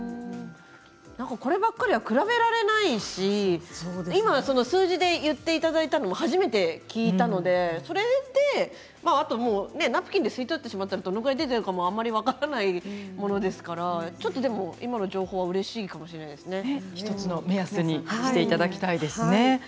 こればかりは比べられないし数字で言っていただいたのも初めて聞いたのでナプキンで吸い取ってしまったらどれくらい出てるのかあまり分からないものですからちょっと今の情報は１つの目安にしていただきたいですね。